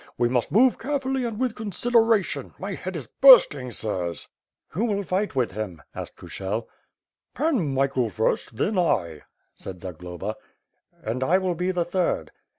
We must move carefully and with consideration. My head is bursting, sirs." "Who will fight with him?" asked Kushel. "Pan Michael first; then V said Zagloba. "And I will be the third."